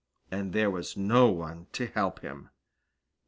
And there was no one to help him.